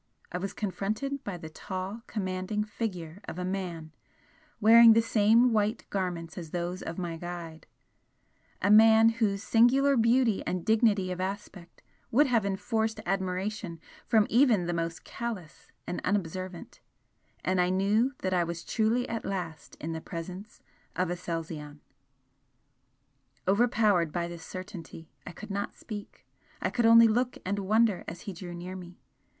I was confronted by the tall commanding figure of a man wearing the same white garments as those of my guide, a man whose singular beauty and dignity of aspect would have enforced admiration from even the most callous and unobservant and I knew that I was truly at last in the presence of Aselzion. Overpowered by this certainty, I could not speak I could only look and wonder as he drew near me.